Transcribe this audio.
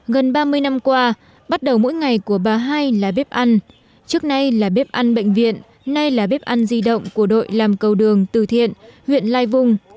gần ba mươi năm qua bắt đầu mỗi ngày của bà hai là bếp ăn trước nay là bếp ăn bệnh viện nay là bếp ăn di động của đội làm cầu đường từ thiện huyện lai vung